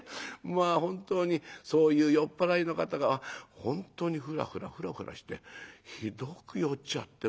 まあ本当にそういう酔っ払いの方が本当にふらふらふらふらしてひどく酔っちゃって。